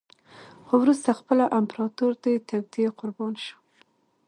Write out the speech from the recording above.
خو وروسته خپله امپراتور د توطیې قربان شو.